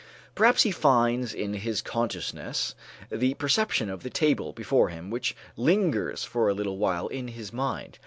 Perhaps he finds in his consciousness the perception of the table before him which lingers for a little while in his mind.